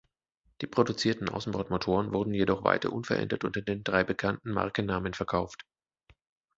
Die produzierten Außenbordmotoren wurden jedoch weiter unverändert unter den drei bekannten Markennamen verkauft.